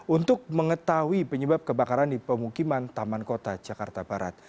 untuk mengetahui penyebab kebakaran di pemukiman taman kota jakarta barat